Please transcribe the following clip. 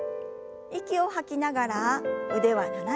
息を吐きながら腕は斜め下。